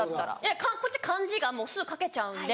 こっち漢字がすぐ書けちゃうんで。